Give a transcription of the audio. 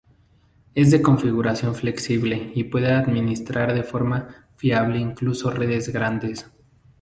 Es de configuración flexible y puede administrar de forma fiable incluso redes grandes.